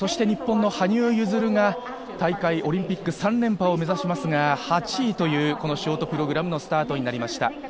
日本の羽生結弦が大会オリンピック３連覇を目指しますが、８位というショートプログラムのスタートとなりました。